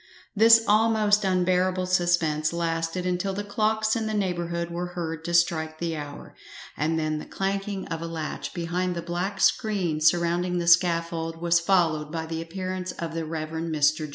This almost unbearable suspense lasted until the clocks in the neighbourhood were heard to strike the hour, and then the clanking of a latch behind the black screen surrounding the scaffold was followed by the appearance of the Rev. Mr.